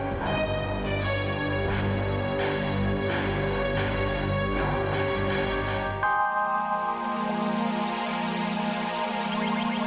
kalian maukan kalian maukan demi taufan